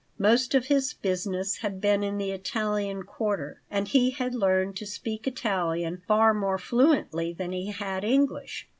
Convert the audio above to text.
Most of his business had been in the Italian quarter and he had learned to speak Italian far more fluently than he had English.